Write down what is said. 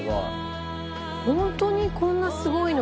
「本当にこんなすごいの？」